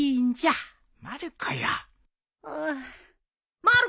ああ。